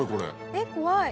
えっ怖い。